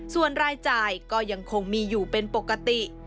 ส่วนรายจ่ายก็ยังคงมีอยู่เป็นปกติ